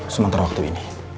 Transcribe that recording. sementara waktu ini